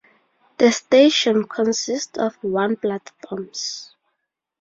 The station consists of one platforms.